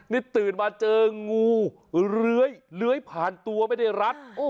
นี่ตื่นมาเจองูเลื้อยผ่านตัวไม่ได้รัด